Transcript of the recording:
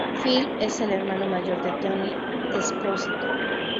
Phil es el hermano mayor de Tony Esposito.